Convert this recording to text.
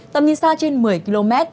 tầm nhìn xa trên một mươi km